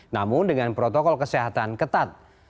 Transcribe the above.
namun dengan protokol kesehatan ketat